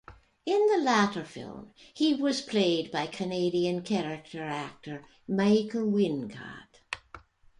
In the latter film, he was played by Canadian character actor Michael Wincott.